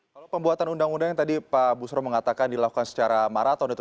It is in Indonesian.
kalau pembuatan undang undang yang tadi pak busro mengatakan dilakukan secara maraton itu